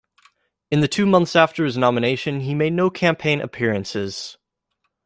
In the two months after his nomination he made no campaign appearances.